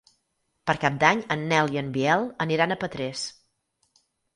Per Cap d'Any en Nel i en Biel aniran a Petrés.